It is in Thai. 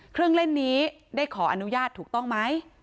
เครื่องเล่นนี้ได้ขออนุญาตถูกต้องไหม